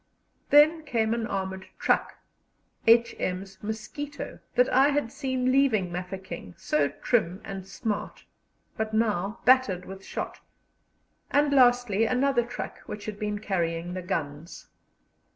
Then came an armoured truck H.M.'s Mosquito that I had seen leaving Mafeking so trim and smart, but now battered with shot; and lastly another truck, which had been carrying the guns.